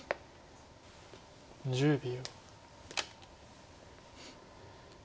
１０秒。